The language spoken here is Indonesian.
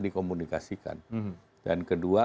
dikomunikasikan dan kedua